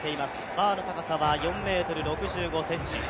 バーの高さは４ｍ６５ｃｍ。